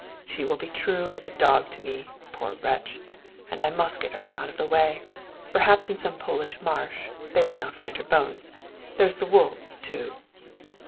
"She will be true as a dog to me, poor wretch! And I must get Irma out of the way. Perhaps in some Polish marsh; they would not find her bones. There's the wolves, too.